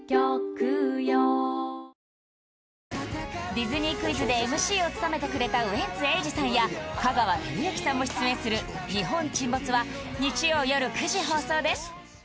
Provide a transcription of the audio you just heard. ディズニークイズでＭＣを務めてくれたウエンツ瑛士さんや香川照之さんも出演する「日本沈没」は日曜よる９時放送です